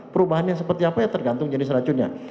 perubahan yang seperti apa ya tergantung jenis racunnya